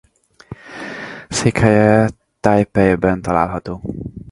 Székhelye Tajpejben található.